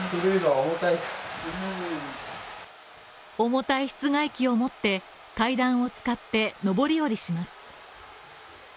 重たい室外機を持って、階段を上り下りします。